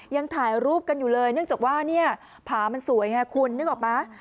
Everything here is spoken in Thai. ยังถ่ายรูปกันอยู่เลยเนื่องจากว่าเนี่ยผามันสวยไงคุณนึกออกไหม